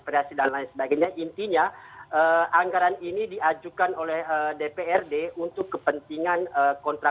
kursi harus putura